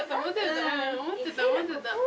思ってた思ってた。